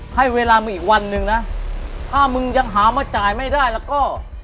ให้เวลามึงอีกวันหนึ่งนะถ้ามึงยังหามาจ่ายไม่ได้แล้วก็